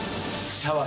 シャワー？